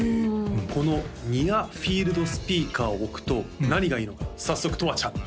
このニアフィールドスピーカーを置くと何がいいのか早速とわちゃん